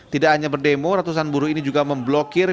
tidak hanya berdemo ratusan buruh ini juga memblokir